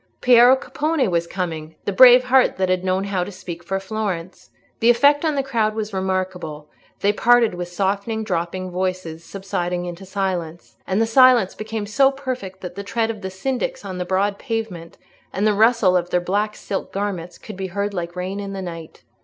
Piero Capponi was coming—the brave heart that had known how to speak for Florence. The effect on the crowd was remarkable; they parted with softening, dropping voices, subsiding into silence,—and the silence became so perfect that the tread of the syndics on the broad pavement, and the rustle of their black silk garments, could be heard, like rain in the night.